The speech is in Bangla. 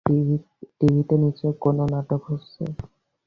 টিভিতে নিশ্চয়ই কোনো নাটক হচ্ছে।